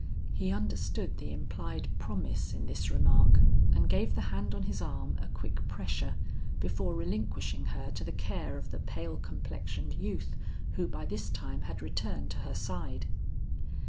He understood the implied promise in this remark and gave the hand on his arm a quick pressure, before relinquishing her to the care of the pale complexioned youth who by this time had returned to her side.